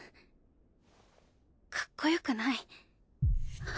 かっこよくない。